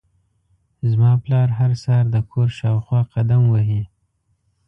زما پلار هر سهار د کور شاوخوا قدم وهي.